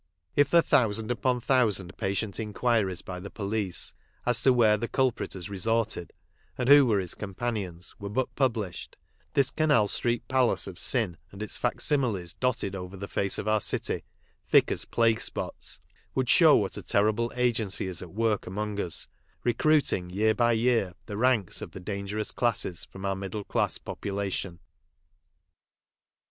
If the thousand upon thousand patient inquiries by the police as to where the culprit has resorted, and who were his com panions, were but published, this Canal street Palace of Sin and its f ac similes dotted over the face of our city, thick as plague spots, would show what a terrible agency is at work among us, recruiting, year by year, the ranks of the "dangerous classes" from our middle class population.